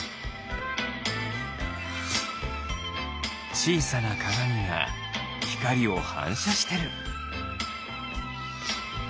ちいさなかがみがひかりをはんしゃしてる。